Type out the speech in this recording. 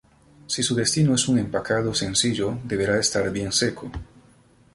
Si su destino es un empacado sencillo deberá estar bien seco.